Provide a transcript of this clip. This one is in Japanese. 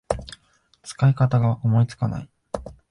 使い方が思いつかない